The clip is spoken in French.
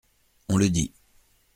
On le dit.